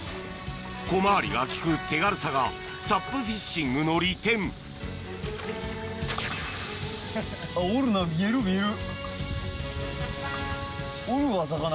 小回りが利く手軽さがサップフィッシングの利点あっおるな見える見える。